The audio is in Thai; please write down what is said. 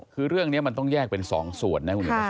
คือเรื่องนี้มันต้องแยกเป็น๒ส่วน